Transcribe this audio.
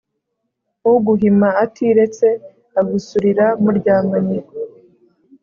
Uguhima atiretse agusurira mu ryamanye